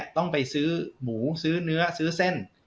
ต้องไปซื้อหมูซื้อเนื้อซื้อเส้น